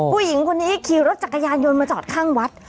ผู้หญิงคนนี้ขี่รถจักรยานยนต์มาจอดข้างวัด